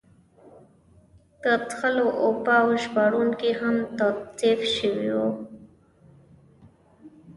د څښلو اوبه او ژباړونکي هم توظیف شوي وو.